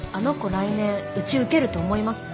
来年うち受けると思います？